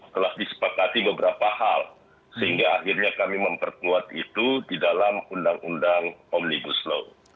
telah disepakati beberapa hal sehingga akhirnya kami memperkuat itu di dalam undang undang omnibus law